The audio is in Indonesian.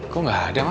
kok gak ada ma